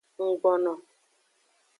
Nggbono.